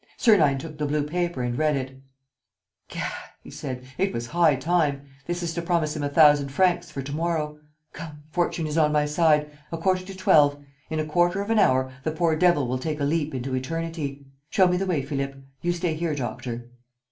Sernine took the blue paper and read it: "Gad!" he said. "It was high time. This is to promise him a thousand francs for to morrow. Come, fortune is on my side. A quarter to twelve. ... In a quarter of an hour, the poor devil will take a leap into eternity. Show me the way, Philippe. You stay here, Doctor."